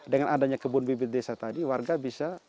dengan adanya kebun bibit desa tadi warga bisa